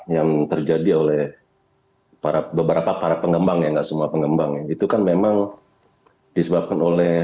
young terjadi oleh beberapa para pengembang yang guy semua pengembang itu kan memang disebabkan oleh